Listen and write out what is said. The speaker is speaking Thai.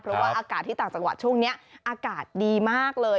เพราะว่าอากาศที่ต่างจังหวัดช่วงนี้อากาศดีมากเลย